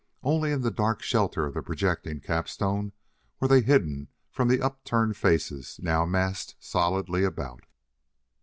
Only in the dark shelter of the projecting capstone were they hidden from the upturned faces now massed solidly about.